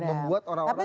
membuat orang orang yang